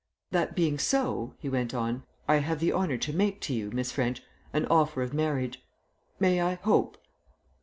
That being so," he went on, "I have the honour to make to you, Miss French, an offer of marriage. May I hope?"